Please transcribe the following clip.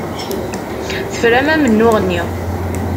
Tefram amennuɣ-nni.